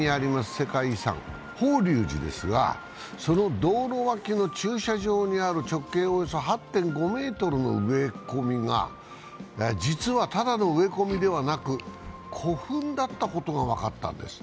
世界遺産・法隆寺ですが、その道路脇の駐車場にある直径およそ８．５ｍの植え込みが、実はただの植え込みではなく、古墳だったことが分かったんです。